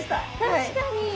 確かに。